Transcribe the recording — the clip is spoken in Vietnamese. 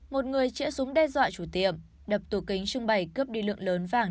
một người chêa súng đe dọa chủ tiệm đập tù kính trưng bày cướp đi lượng lớn vàng